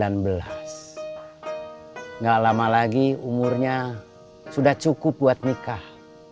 tidak lama lagi umurnya sudah cukup buat nikah